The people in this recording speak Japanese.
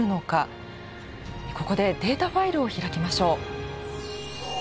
ここでデータファイルを開きましょう。